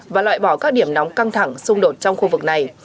và loại bỏ các điểm nóng căng thẳng xung đột trong khu vực này